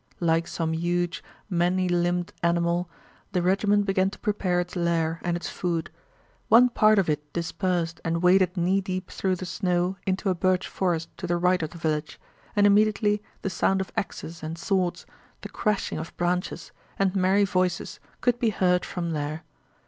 Like some huge many limbed animal, the regiment began to prepare its lair and its food. One part of it dispersed and waded knee deep through the snow into a birch forest to the right of the village, and immediately the sound of axes and swords, the crashing of branches, and merry voices could be heard from there.